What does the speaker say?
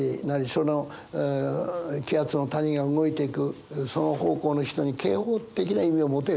その気圧の谷が動いていくその方向の人に警報的な意味を持てる。